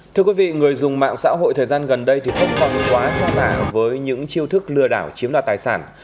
thưa quý vị người dùng mạng xã hội thời gian gần đây thì không còn quá xa mả với những chiêu thức lừa đảo chiếm đoạt tài sản